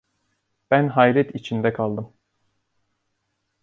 Ben hayret içinde kaldım.